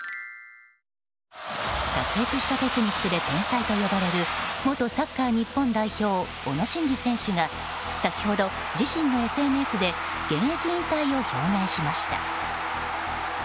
卓越したテクニックで天才と呼ばれる元サッカー日本代表小野伸二選手が先ほど、自身のＳＮＳで現役引退を表明しました。